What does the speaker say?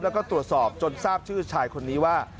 แล้วก็ตรวจสอบจนทราบชื่อชายคนนี้ว่า